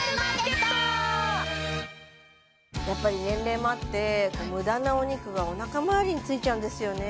やっぱり年齢もあって無駄なお肉がおなか回りについちゃうんですよね